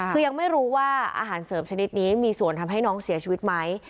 คือยังไม่รู้ว่าอาหารเสริมชนิดนี้มีส่วนทำให้น้องเสียชีวิตไหม